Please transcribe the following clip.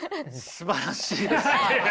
すばらしいですね。